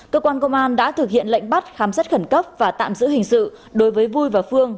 cơ quan công an đã thực hiện lệnh bắt khám xét khẩn cấp và tạm giữ hình sự đối với vui và phương